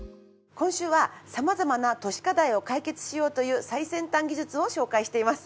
今週は様々な都市課題を解決しようという最先端技術を紹介しています。